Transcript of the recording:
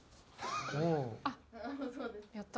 あっやった。